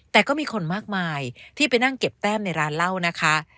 แต่ก็มีคนมากมายที่ไปนั่งเก็บแต้มในร้านเหล้านะคะ